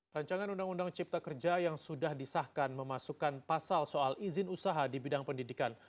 rancangan undang undang cipta kerja yang sudah disahkan memasukkan pasal soal izin usaha di bidang pendidikan